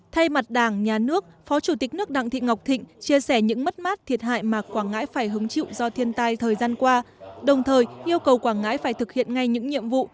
thay mặt đảng nhà nước phó chủ tịch nước đặng thị ngọc thịnh chia sẻ những mất mát thiệt hại mà quảng ngãi phải hứng chịu do thiên tai thời gian qua đồng thời yêu cầu quảng ngãi phải thực hiện ngay những nhiệm vụ